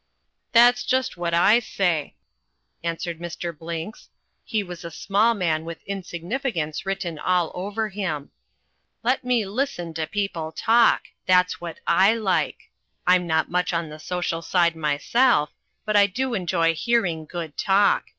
"That's just what I say," answered Mr. Blinks he was a small man with insignificance written all over him "let me listen to people talk; that's what I like. I'm not much on the social side myself, but I do enjoy hearing good talk.